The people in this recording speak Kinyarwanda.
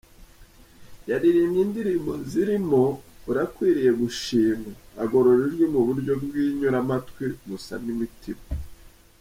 Yaririmbye indirimbo zirimo "Urakwiriye Gushimwa" agorora ijwi mu buryo bw’inyuramatwi busana imitima.